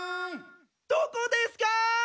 どこですか？